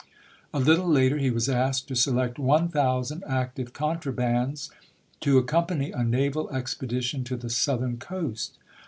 A little later he was asked to select one ^Icotft^" thousand active contrabands to accompany a naval Ti'sei? ■ expedition to the Southern coast.